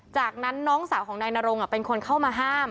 จากนั้นน้องสาวของนายนรงเป็นคนเข้ามาห้าม